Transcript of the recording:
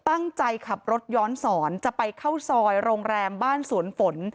ตั้งใจขับรถย้อนสอนจะไปเข้าซอยโรงแรมบ้านสวนฝน